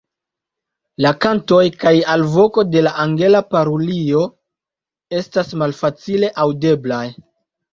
La kantoj kaj alvoko de la Angela parulio estas malfacile aŭdeblaj.